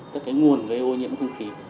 các nguồn gây ô nhiễm không khí